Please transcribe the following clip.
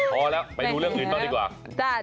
พอแล้วไปดูเรื่องอื่นบ้างดีกว่า